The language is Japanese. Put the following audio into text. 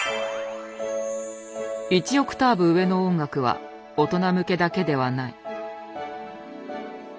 １オクターブ上の音楽は大人向けだけではない。